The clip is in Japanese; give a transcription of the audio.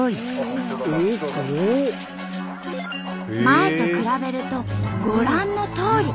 前と比べるとご覧のとおり。